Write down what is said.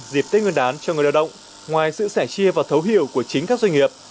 dịp tết nguyên đán cho người lao động ngoài sự sẻ chia và thấu hiểu của chính các doanh nghiệp